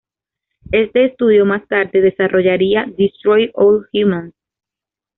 Este estudio más tarde desarrollaría "Destroy All Humans!".